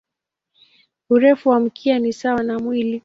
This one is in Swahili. Urefu wa mkia ni sawa na mwili.